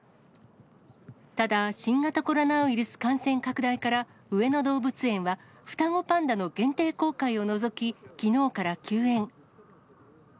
ただ、新型コロナウイルス感染拡大から、上野動物園は、双子パンダの限定公開を除き、きのうから休園。